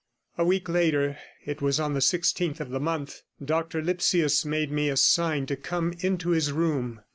A week later, it was on the sixteenth of the month, Dr Lipsius made me a sign to come into his room.